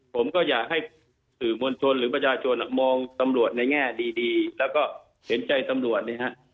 ผมก็อยากให้สื่อมวลชนหรือประชาชนมองตำรวจในแง่ดีแล้วก็เห็นใจตำรวจนะฮะ